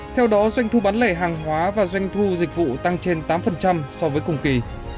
theo đó doanh thu bán lẻ hàng hóa và doanh thu dịch vụ tăng trên tám so với cùng kỳ